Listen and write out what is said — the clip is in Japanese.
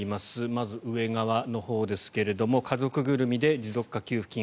まず、上側のほうですが家族ぐるみで持続化給付金